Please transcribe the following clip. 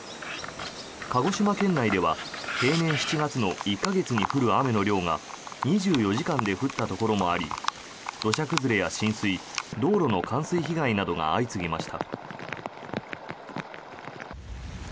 鹿児島県内では平年７月の１か月に降る雨の量が２４時間で降ったところもあり土砂崩れや浸水道路の冠水被害などが相次ぎました。